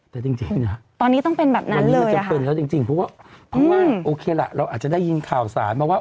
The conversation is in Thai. แต่จริงนะครับวันนี้มันจะเป็นแล้วจริงเพราะว่าโอเคละเราอาจจะได้ยินข่าวสารมาว่า